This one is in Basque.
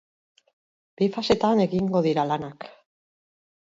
Bi fasetan egingo dira lanak.